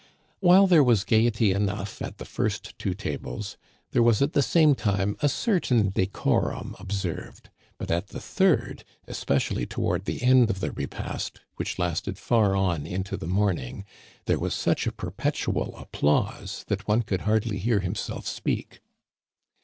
While there was gayety enough at the first two tables, there was at the same time a certain decorum observed ; but at the third, especially toward the end of the repast, which lasted far on into the morn ing, there was such a perpetual applause that one could hardly hear himself speak.